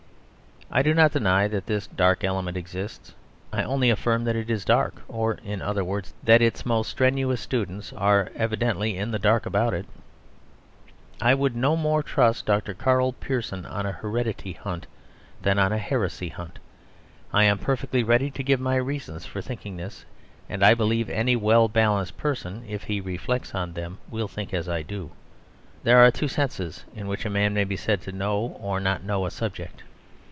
I do not deny that this dark element exists; I only affirm that it is dark; or, in other words, that its most strenuous students are evidently in the dark about it. I would no more trust Dr. Karl Pearson on a heredity hunt than on a heresy hunt. I am perfectly ready to give my reasons for thinking this; and I believe any well balanced person, if he reflects on them, will think as I do. There are two senses in which a man may be said to know or not know a subject.